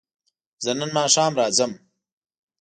زه نن ماښام راځم